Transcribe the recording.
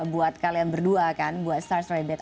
buat kalian berdua kan buat star strayed beat